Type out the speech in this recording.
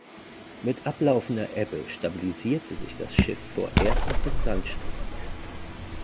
Mit ablaufender Ebbe stabilisierte sich das Schiff vorerst auf dem Sandstrand.